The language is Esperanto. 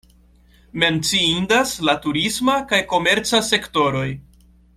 Menciindas la turisma kaj komerca sektoroj.